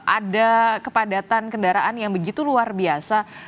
ada kepadatan kendaraan yang begitu luar biasa